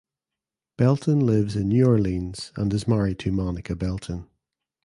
Belton lives in New Orleans and is married to Monica Belton.